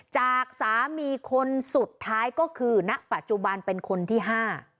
จากสามีคนสุดท้ายก็คือณปัจจุบันเป็นคนที่ห้า